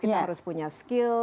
kita harus punya skill